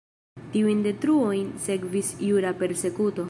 Tiujn detruojn sekvis jura persekuto.